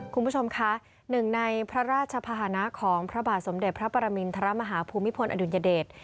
คุณผู้ชมคะหนึ่งในพระราชภาษณะของพระบาทสมเด็จพระปรมินทรมาฮาภูมิพลอดุลยเดช